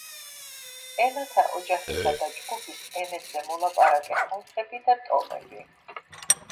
ენათა ოჯახისა და ჯგუფის ენებზე მოლაპარაკე ხალხები და ტომები.